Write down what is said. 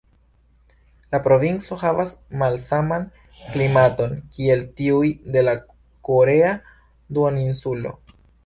La provinco havas malsaman klimaton kiel tiuj de la korea duoninsulo.